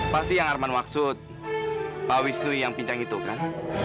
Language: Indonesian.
pasti yang arman maksud pak wisnu yang pincang itu kan